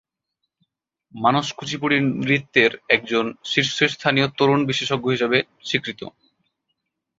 মানস কুচিপুড়ি নৃত্যের একজন শীর্ষস্থানীয় তরুণ বিশেষজ্ঞ হিসাবে স্বীকৃত।